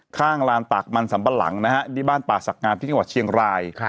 ข้างลานตากมันสัมปะหลังนะฮะที่บ้านป่าศักดิ์งามที่จังหวัดเชียงราย